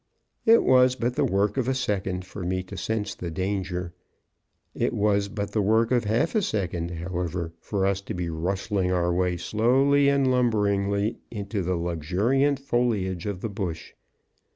It was but the work of a second for me to sense the danger. It was but the work of half a second, however, for us to be rustling our way slowly and lumberingly into the luxuriant foliage of the bush.